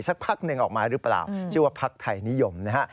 สักพักหนึ่งออกมาหรือเปล่าชื่อว่าพักไทยนิยมนะฮะ